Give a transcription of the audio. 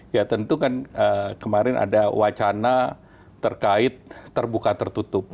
ya tentu kan kemarin ada wacana terkait terbuka tertutup